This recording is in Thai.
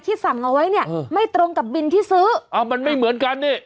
สั่งเอาไว้เนี่ยไม่ตรงกับบินที่ซื้ออ้าวมันไม่เหมือนกันนี่